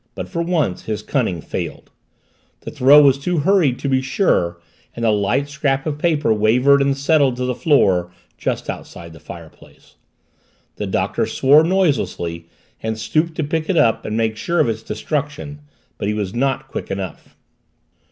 But for once his cunning failed the throw was too hurried to be sure and the light scrap of paper wavered and settled to the floor just outside the fireplace. The Doctor swore noiselessly and stooped to pick it up and make sure of its destruction. But he was not quick enough.